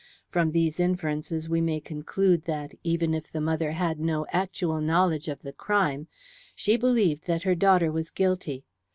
From these inferences we may conclude that, even if the mother had no actual knowledge of the crime, she believed that her daughter was guilty.